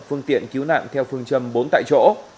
phương tiện cứu nạn theo phương châm bốn tại chỗ